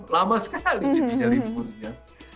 lama sekali jadinya liburnya